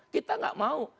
kita tidak mau